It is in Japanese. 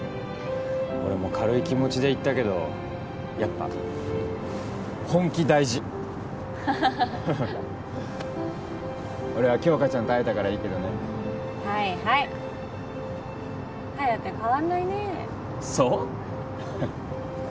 俺も軽い気持ちで行ったけどやっぱ本気大事俺は杏花ちゃんと会えたからいいけどねはいはい颯変わんないねそう？